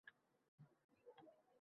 Raykom Esonov ajablanib qoldi.